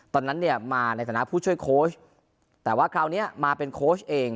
ตอนนั้นเนี่ยมาในฐานะผู้ช่วยโค้ชแต่ว่าคราวนี้มาเป็นโค้ชเอง